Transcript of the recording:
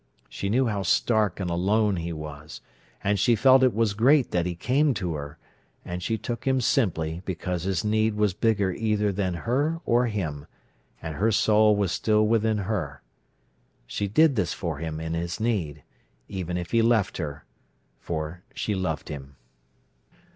She knew how stark and alone he was, and she felt it was great that he came to her; and she took him simply because his need was bigger either than her or him, and her soul was still within her. She did this for him in his need, even if he left her, for she loved him.